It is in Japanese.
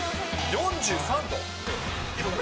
４３度。